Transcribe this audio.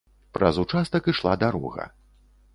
Праз участак ішла дарога.